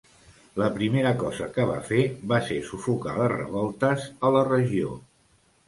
La primera cosa que va fer va ser sufocar les revoltes a la regió.